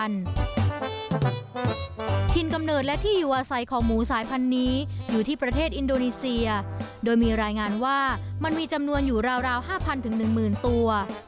ถิ่นกำเนิดและที่อยู่อาศัยของหมูสายพันธุ์นี้อยู่ที่ประเทศอินโดนีเซียโดยมีรายงานว่ามันมีจำนวนอยู่ราว๕๐๐๑๐๐๐ตัว